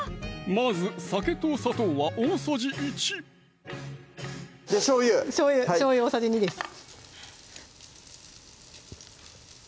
まず酒と砂糖は大さじ１でしょうゆしょうゆ大さじ２です